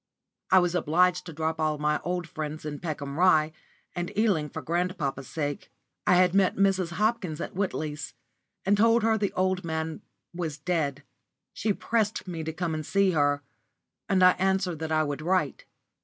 I was obliged to drop all my old friends in Peckham Rye and Ealing for grandpapa's sake. I had met Mrs. Hopkins at Whiteley's, and told her the old man was dead. She pressed me to come and see her, and I answered that I would write.